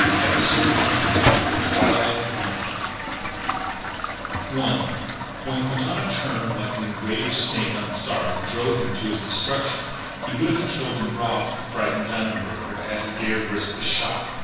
EPISODE TEN THE TWILIGHT OF MIKE I When Quintana turned like an enraged snake on Sard and drove him to his destruction, he would have killed and robbed the frightened diamond broker had he dared risk the shot.